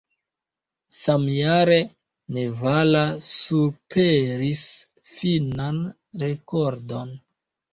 Samjare Nevala superis finnan rekordon.